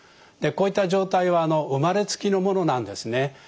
こういった状態は生まれつきのものなんですね。